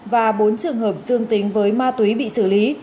và bốn trường hợp dương tính với ma túy bị xử lý